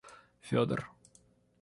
Федор